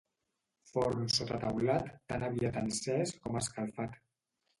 Forn sota teulat, tan aviat encès com escalfat.